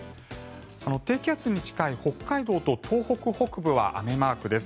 低気圧に近い北海道と東北北部は雨マークです。